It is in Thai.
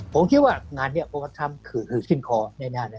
ผมคิดว่างานเนี่ยโปรปัชธรรมขือถือขึ้นคอในหน้าเลย